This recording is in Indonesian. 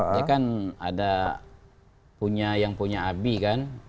dia kan ada yang punya abi kan